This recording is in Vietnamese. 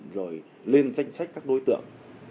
rồi lên danh sách các đối tượng